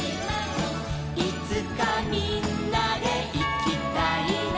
「いつかみんなでいきたいな」